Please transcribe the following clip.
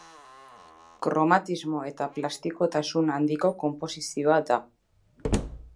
Kromatismo eta plastikotasun handiko konposizioa da.